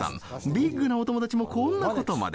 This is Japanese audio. ビッグなお友達もこんなことまで。